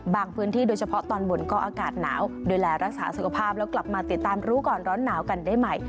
พื้นที่โดยเฉพาะตอนบนก็อากาศหนาวดูแลรักษาสุขภาพแล้วกลับมาติดตามรู้ก่อนร้อนหนาวกันได้ใหม่